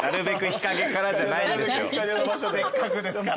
せっかくですから。